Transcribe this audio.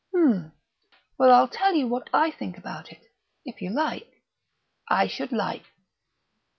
"Hm!... Well, I'll tell you what I think about it, if you like." "I should like."